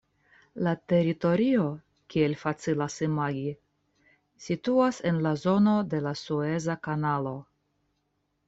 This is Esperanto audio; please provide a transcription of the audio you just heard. La teritorio, kiel facilas imagi, situas en la zono de la Sueza Kanalo.